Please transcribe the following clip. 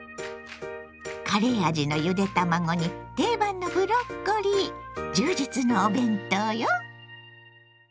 カレー味のゆで卵に定番のブロッコリー充実のお弁当よ。